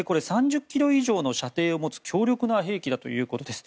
３０ｋｍ以上の射程を持つ強力な兵器だということです。